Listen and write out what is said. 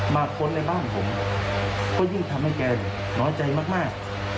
ค้นในบ้านผมก็ยิ่งทำให้แกน้อยใจมาก